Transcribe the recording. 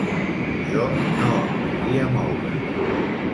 Jo no em podia moure.